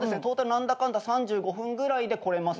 何だかんだ３５分ぐらいで来れますね。